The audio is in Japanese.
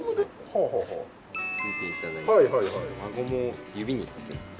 はあはあはあ見ていただいて輪ゴムを指にかけます